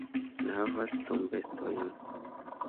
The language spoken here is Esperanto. Mi ne havas dombestojn.